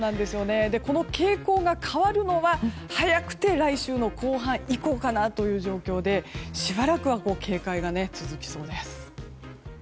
この傾向が変わるのは早くて来週の後半以降かなという状況でしばらくは警戒が続きそうです。